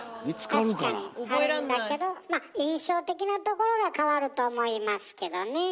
確かにあるんだけどまあ印象的なところが変わると思いますけどね。